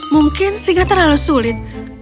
mungkin singa terlalu sulit